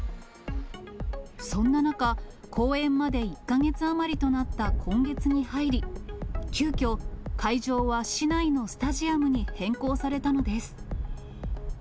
そんな中、公演まで１か月余りとなった今月に入り、急きょ、会場は市内のスタジアムに変更されたのです。